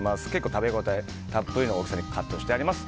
食べ応えがたっぷりの大きさにカットしてあります。